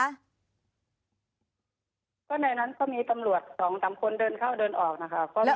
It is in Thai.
ก็ในนั้นก็มีตำรวจ๒๓คนเดินเข้าเดินออกนะคะ